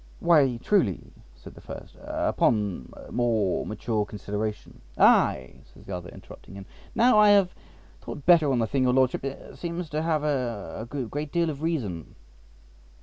"Why, truly," said the first, "upon more mature consideration"—"Ay," says the other, interrupting him, "now I have thought better on the thing, your Lordship seems to have a great deal of reason."